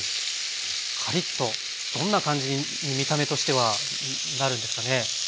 カリッとどんな感じに見た目としてはなるんですかね？